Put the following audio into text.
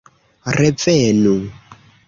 Revenu!!